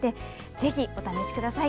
ぜひ、お試しください。